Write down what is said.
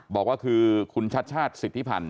บอกว่าคือคุณชัชชาติสิทธิพันธ